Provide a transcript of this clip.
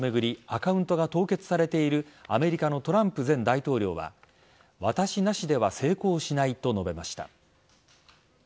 アカウントが凍結されているアメリカのトランプ前大統領は私なしでは成功しないと述べました。